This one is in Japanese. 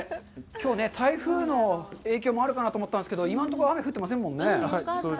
きょう台風の影響もあるかなと思ったんですけど、今のところ、雨降ってませんもんね。